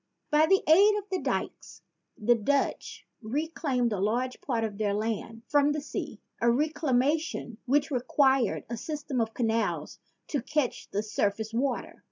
By the aid of the dykes the Dutch reclaimed a large part of their land from the sea, a recla mation which required a system of canals to catch the surface water.